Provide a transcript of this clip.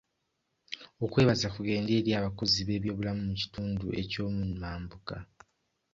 Okwebaza kugende eri abakozi b'eby'obulamu mu kitundu ekyomu mambuka.